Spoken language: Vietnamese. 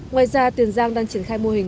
ngoài ra tiền giang đang triển khai một công trình